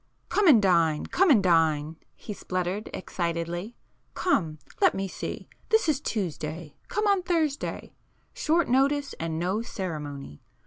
"Come and dine,—come and dine!" he spluttered excitedly; "Come—let me see,—this is Tuesday—come on Thursday. Short notice and no ceremony!